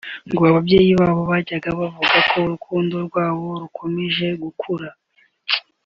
ngo ababyeyi babo bajyaga bavuga ko urukundo rwabo rukomeje gukura